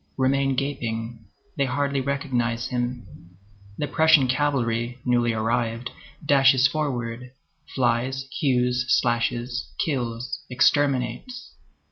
remain gaping; they hardly recognize him. The Prussian cavalry, newly arrived, dashes forwards, flies, hews, slashes, kills, exterminates.